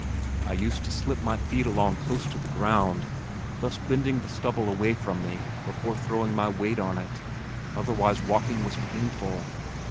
I used to slip my feet along close to the ground, thus bending the stubble away from me before throwing my weight on it, otherwise walking was painful.